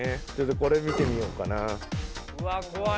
これ見てみようかな。